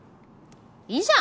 いいじゃん！